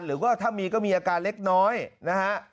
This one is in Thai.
หรือว่าถ้ามีก็มีอาการเล็กน้อยนะฮะ